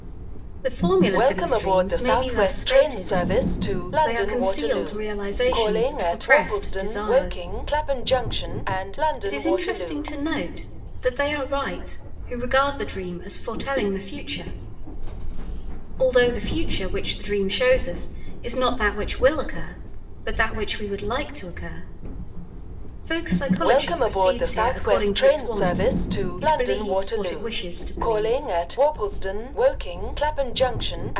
The formula for these dreams may be thus stated: They are concealed realizations of repressed desires. It is interesting to note that they are right who regard the dream as foretelling the future. Although the future which the dream shows us is not that which will occur, but that which we would like to occur. Folk psychology proceeds here according to its wont; it believes what it wishes to believe.